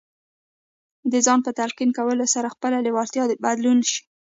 د ځان په تلقين کولو سره خپله لېوالتیا بدلولای شئ.